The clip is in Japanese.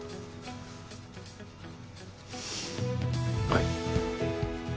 はい。